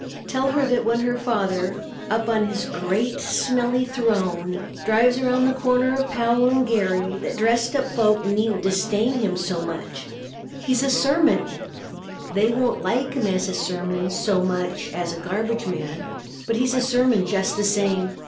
Tell her that when her father, up on his great smelly throne, drives around the corner of Powell and Geary that dressed up folk needn't disdain him so much. He's a sermon. They won't like him as a sermon so much as a garbage man but he's a sermon just the same.